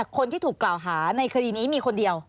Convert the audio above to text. คนที่ถูกกล่าวหาในคดีนี้มีคนเดียว